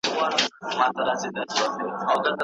ما یي سرونه تر عزت جارول